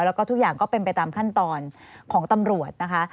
แล้วก็ทุกอย่างก็เป็นไปตามขั้นตอนของตำรวจนะคะ